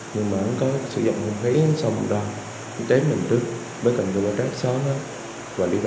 từ những vụ án trên cho thấy